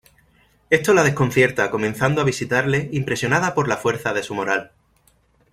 Esto la desconcierta, comenzando a visitarle, impresionada por la fuerza de su moral.